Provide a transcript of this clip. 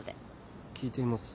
聞いています。